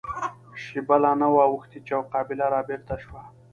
شېبه لا نه وه اوښتې چې يوه قابله را بېرته شوه.